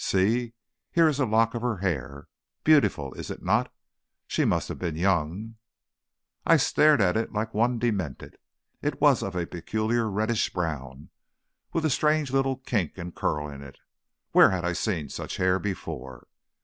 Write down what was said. See! here is a lock of her hair. Beautiful, is it not? She must have been young." I stared at it like one demented. It was of a peculiar reddish brown, with a strange little kink and curl in it. Where had I seen such hair before?